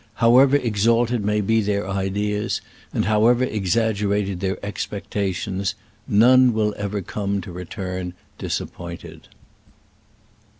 However exalted may be their ideas arid however exaggerated their expectations, none will come to return disappointed